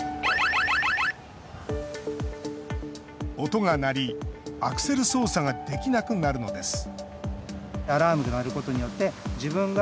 音が鳴りアクセル操作ができなくなるのです。